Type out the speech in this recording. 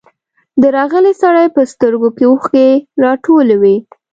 د راغلي سړي په سترګو کې اوښکې راټولې وې.